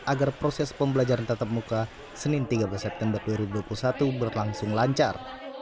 agar proses pembelajaran tatap muka senin tiga belas september dua ribu dua puluh satu berlangsung lancar